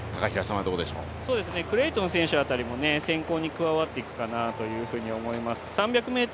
クレイトン選手あたりも先行に加わっていくかなと思います。